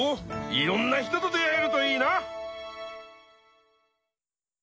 いろんな人と出会えるといいな！